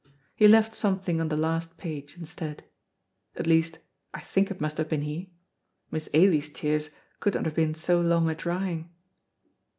He left something on the last page instead. At least I think it must have been he: Miss Ailie's tears could not have been so long a drying.